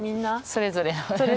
それぞれ。